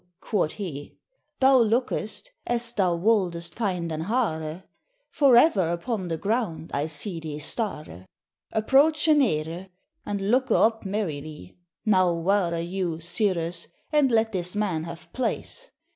quod he; 'Thou lokest, as thou woldest finde an hare, For ever upon the ground I see thee stare. 'Approche nere, and loke up merily. Now ware you, sires, and let this man have place.